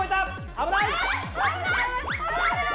危ない！